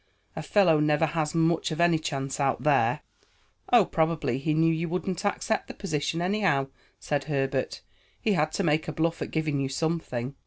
A fellow never has much of any chance out there." "Oh, probably he knew you wouldn't accept the position, anyhow," said Herbert. "He had to make a bluff at giving you something."